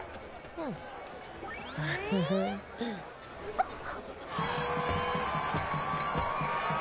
あっ。